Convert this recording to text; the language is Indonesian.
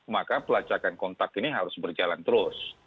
maka pelacakan kontak ini harus berjalan terus